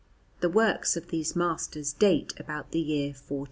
The works of these masters date about the year 1470.